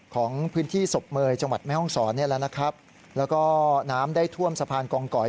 ของพื้นที่ศพเมยจังหวัดแม่ฮ่องศรแล้วก็น้ำได้ท่วมสะพานกองกอย